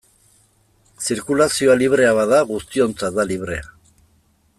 Zirkulazioa librea bada, guztiontzat da librea.